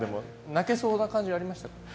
泣けそうな感じはありましたか？